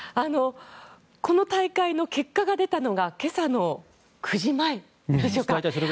この大会の結果が出たのが今朝の９時前ですか。